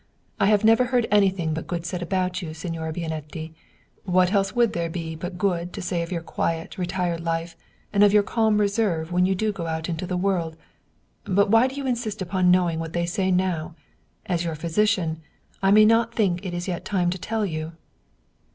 I have never heard anything but good said about you, Signora Bianetti. What else would there be but good to say of your quiet, retired life, and of your calm reserve when you do go out into the world ? But why do you insist upon knowing what they say now? As your physician, I may not think that it is yet time to tell you."